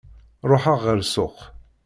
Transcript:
Ruḥeɣ ɣer ssuq.